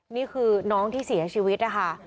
นี่คือน้องที่เสียชีวิตนะคะ